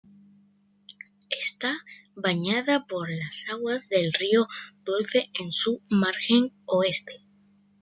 Está bañada por las aguas del río Dulce en su margen oeste.